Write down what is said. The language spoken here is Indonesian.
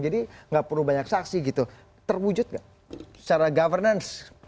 jadi tidak perlu banyak saksi gitu terwujud gak secara governance